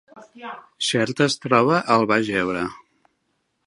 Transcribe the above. Xerta es troba al Baix Ebre